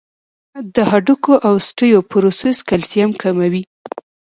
د هډوکو اوسټيوپوروسس کلسیم کموي.